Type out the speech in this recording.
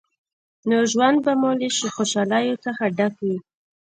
نو ژوند به مو له خوشحالیو څخه ډک وي.